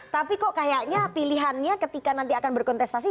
tapi kok kayaknya pilihannya ketika nanti akan berkontestasi